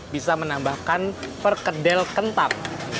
bisa menambahkan perkedel kental